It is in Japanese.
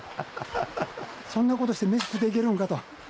そんな事して飯食うていけるんかと。